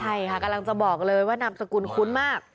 ใช่ค่ะกำลังจะบอกเลยว่านามสกุลคุ้นมาก